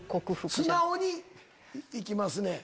素直に行きますね。